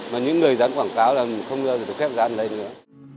mà những người dán quảng cáo là không bao giờ được khép dán lên nữa